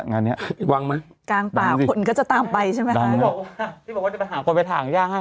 งานเนี้ยวางมากลางปากคนก็จะตามไปใช่ไหมฮะดังเลยที่บอกว่าจะไปหาคนไปถางย่างให้